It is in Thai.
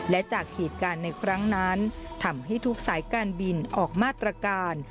และจากเหตุการณ์ในครั้งนั้นทำให้ทุกสายการบินออกมาตรการ